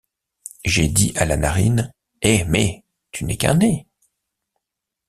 J’ai dit à la narine: Eh mais! tu n’es qu’un nez !